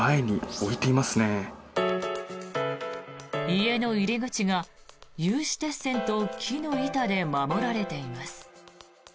家の入り口が有刺鉄線と木の板で守られています。